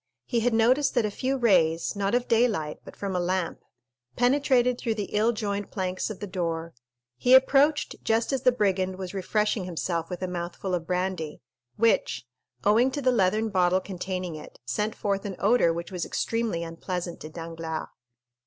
He had noticed that a few rays, not of daylight, but from a lamp, penetrated through the ill joined planks of the door; he approached just as the brigand was refreshing himself with a mouthful of brandy, which, owing to the leathern bottle containing it, sent forth an odor which was extremely unpleasant to Danglars.